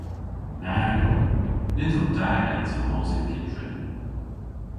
Nag o. Nyns o da gansa mos yn kyttrin.